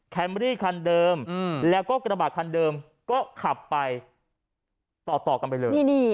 แคมบรีคันเดิมอืมแล้วก็กระบาดคันเดิมก็ขับไปต่อต่อกันไปเลยนี่นี่